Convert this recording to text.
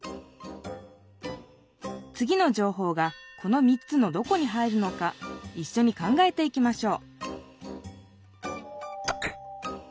つぎのじょうほうがこの３つのどこに入るのかいっしょに考えていきましょう